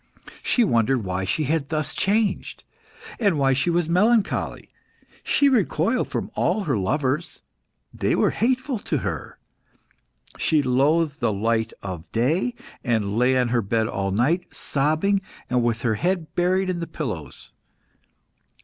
She wondered why she had thus changed, and why she was melancholy. She recoiled from all her lovers; they were hateful to her. She loathed the light of day, and lay on her bed all day, sobbing, and with her head buried in the pillows.